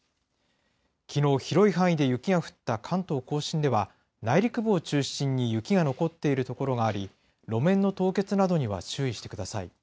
きのう、広い範囲で雪が降った関東甲信では、内陸部を中心に雪が残っている所があり、路面の凍結などには注意してください。